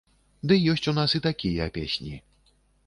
Ды ёсць у нас і такія песні!